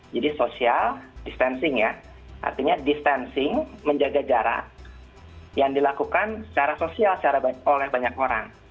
jadi social distancing ya artinya distancing menjaga jarak yang dilakukan secara sosial secara oleh banyak orang